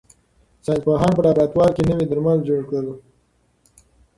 ساینس پوهانو په لابراتوار کې نوي درمل جوړ کړل.